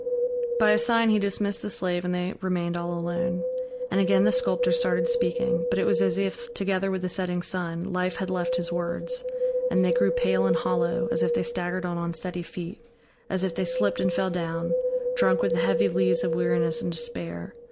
By a sign he dismissed the slave, and they remained all alone. And again the sculptor started speaking, but it was as if, together with the setting sun, life had left his words; and they grew pale and hollow, as if they staggered on unsteady feet, as if they slipped and fell down, drunk with the heavy lees of weariness and despair.